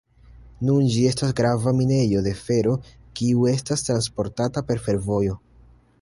Nun ĝi estas grava minejo de fero kiu estas transportata per fervojo.